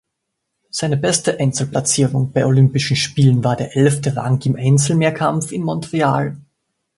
Seine beste Einzelplatzierung bei Olympischen Spielen war der elfte Rang im Einzelmehrkampf in Montreal.